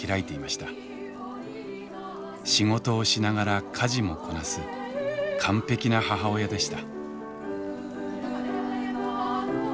仕事をしながら家事もこなす完璧な母親でした。